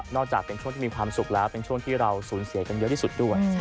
จากเป็นช่วงที่มีความสุขแล้วเป็นช่วงที่เราสูญเสียกันเยอะที่สุดด้วย